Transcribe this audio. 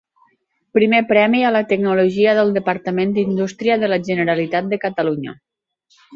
Primer premi a la Tecnologia del departament d'Indústria de la Generalitat de Catalunya.